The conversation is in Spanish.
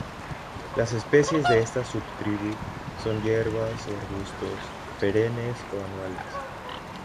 Las especies de esta subtribu son hierbas, o arbustos, perennes o anuales.